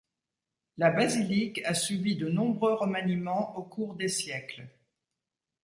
La basilique a subi de nombreux remaniements au cours des siècles.